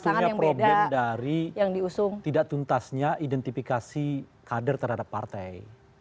sebetulnya problem dari tidak tuntasnya identifikasi kader terhadap partai